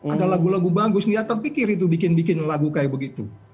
ada lagu lagu bagus dia terpikir itu bikin bikin lagu kayak begitu